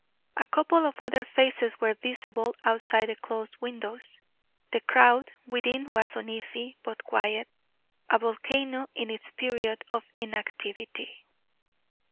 A couple of other faces were visible outside the closed windows. The crowd within was uneasy, but quiet a volcano in its period of inactivity.